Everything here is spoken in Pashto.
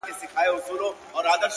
له مانه زړه مه وړه له ما سره خبرې وکړه،